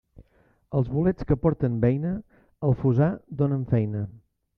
Els bolets que porten beina, al fossar donen feina.